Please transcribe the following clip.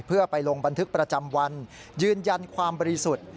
เพื่อไปลงบันทึกประจำวันยืนยันความบริสุทธิ์